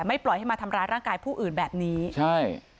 ปล่อยให้มาทำร้ายร่างกายผู้อื่นแบบนี้ใช่